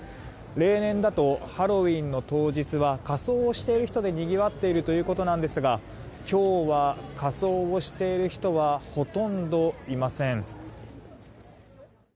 例年だと、ハロウィーンの当日は仮装をしている人でにぎわっているということなんですが今日は、仮装をしている人はほとんどいません。